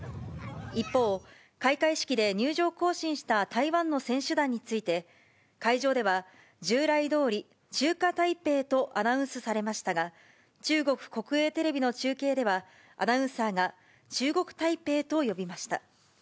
一方、開会式で入場行進した台湾の選手団について、会場では、従来どおり中華台北とアナウンスされましたが、中国国営テレビの中継では、アナウンサーが中国台北と呼びました。